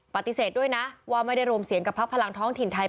ปฏิเสธด้วยนะว่าไม่ได้รวมเสียงกับพักพลังท้องถิ่นไทย